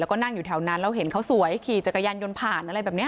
แล้วก็นั่งอยู่แถวนั้นแล้วเห็นเขาสวยขี่จักรยานยนต์ผ่านอะไรแบบนี้